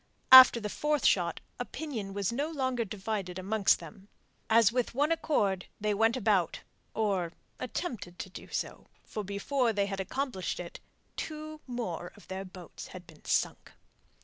After the fourth shot, opinion was no longer divided amongst them. As with one accord they went about, or attempted to do so, for before they had accomplished it two more of their boats had been sunk.